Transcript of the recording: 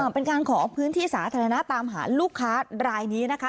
เป็นการขอพื้นที่สาธารณะตามหาลูกค้ารายนี้นะคะ